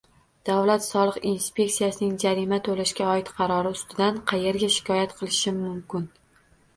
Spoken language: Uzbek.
Davlat soliq inspeksiyasining jarima to‘lashga oid qarori ustidan qayerga shikoyat qilishim mumkin?